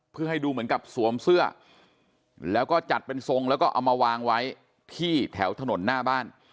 เพื่อให้ดูเหมือนกับสวมเสื้อแล้วก็จัดเป็นทรงแล้วก็เอามาวางไว้ที่แถวถนนหน้าบ้าน